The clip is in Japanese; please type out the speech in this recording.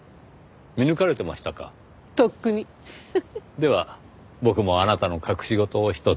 では僕もあなたの隠し事をひとつ。